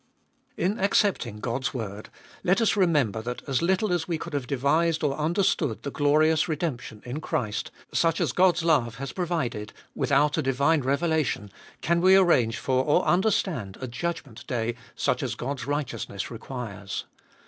1. In accepting God's word let us remember theft as little as we could have devised or under stood the glorious redemption In Christ, such as God's love has provided, without a divine revela tion, can we arrange for or understand a judgment day such as God's righteousness requires.